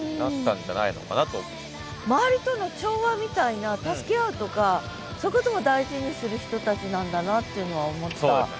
周りとの調和みたいな助け合うとかそういうことも大事にする人たちなんだなっていうのは思った。